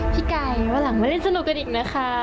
พี่ไก่วันหลังไม่ได้สนุกกันอีกนะคะ